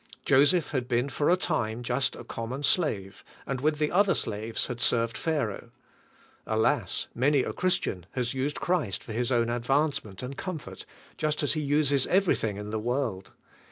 Joseph had been for a time just a common slave, and with the other slaves had served Pharaoh. Alas! many a Christian has used Christ for his own advancement and comfort, just as he uses everything in the world.